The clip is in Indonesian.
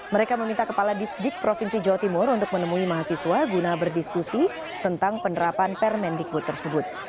mereka meminta kepala disdik provinsi jawa timur untuk menemui mahasiswa guna berdiskusi tentang penerapan permendikbud tersebut